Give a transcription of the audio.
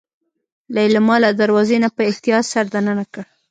ليلما له دروازې نه په احتياط سر دننه کړ.